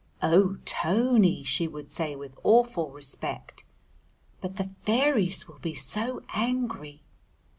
"Oh, Tony," she would say, with awful respect, "but the fairies will be so angry!"